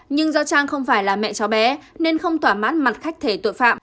nhưng do trang không phải là mẹ cháu bé nên không tỏa mát mặt khách thể tội phạm